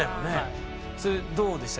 それどうでした？